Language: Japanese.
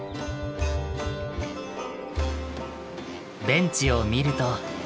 ベンチを見ると。